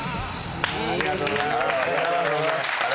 ありがとうございます。